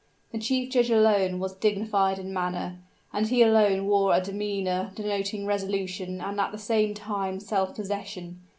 The chief judge alone was dignified in manner; and he alone wore a demeanor denoting resolution and at the same time self possession.